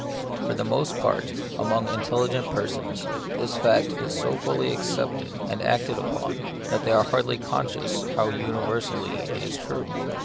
For the most part, among intelli gent persons, this fact is so fully accepted and The Mystery of Pain. 47 acted upon, that they are hardly conscious how universally it is true.